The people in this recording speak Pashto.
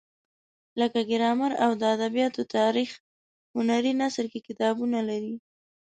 لکه ګرامر او د ادبیاتو تاریخ هنري نثر کې کتابونه لري.